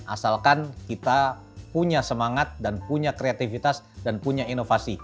asalkan kita punya semangat dan punya kreativitas dan punya inovasi